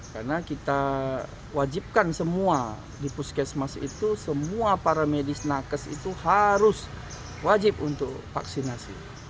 karena kita wajibkan semua di puskesmas itu semua para medis nakes itu harus wajib untuk vaksinasi